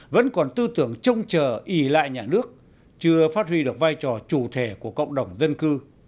vẫn còn tư tưởng trông chờ ý lại nhà nước chưa phát huy được vai trò chủ thể của cộng đồng dân cư